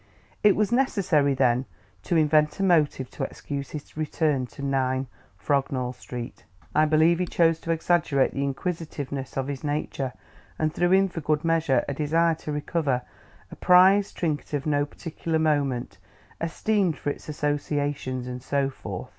It was necessary, then, to invent a motive to excuse his return to 9, Frognall Street. I believe he chose to exaggerate the inquisitiveness of his nature and threw in for good measure a desire to recover a prized trinket of no particular moment, esteemed for its associations, and so forth.